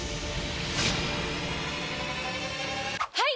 はい！